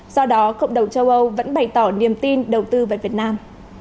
do đó cộng đồng châu âu vẫn bày tỏ niềm tin đầu tư vào việt nam